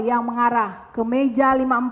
yang mengarah ke meja lima puluh empat